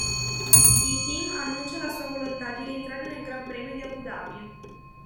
Il team annuncia la sua volontà di rientrare nel Gran Premio di Abu Dhabi.